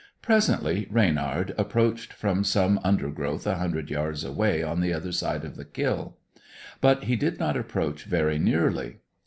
Presently, Reynard approached from some undergrowth a hundred yards away on the other side of the kill. But he did not approach very nearly.